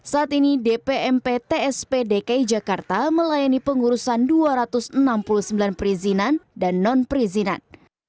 saat ini dpmp tsp dki jakarta melayani pengurusan dua ratus enam puluh sembilan perizinan dan non perizinan